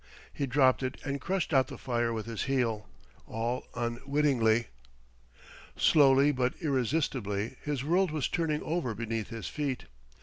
He dropped it and crushed out the fire with his heel, all unwittingly. Slowly but irresistibly his world was turning over beneath his feet....